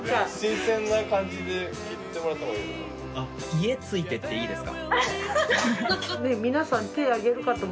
「家ついて行ってイイですか？」。